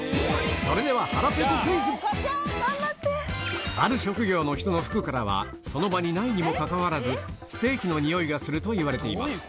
それではある職業の人の服からはその場にないにもかかわらずステーキのにおいがするといわれています